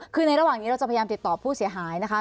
คือในระหว่างนี้เราจะพยายามติดต่อผู้เสียหายนะคะ